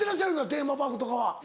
テーマパークとかは。